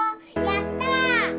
やった！